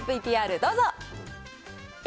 ＶＴＲどうぞ。